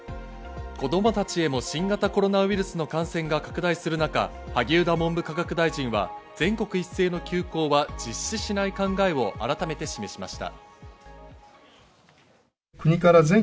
子供たちへも新型コロナウイルスの感染が拡大する中、萩生田文部科学大臣は全国一斉の休校は実施しない考えを改めて示しました。